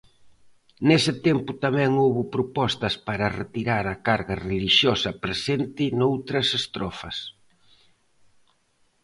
Nese tempo tamén houbo propostas para retirar a carga relixiosa presente noutras estrofas.